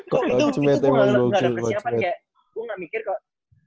kok itu kok itu kalo gak ada persiapan ya gue gak mikir kok